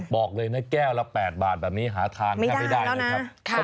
บอกเลยนะแก้วละ๘บาทแบบนี้หาทานแทบไม่ได้นะครับ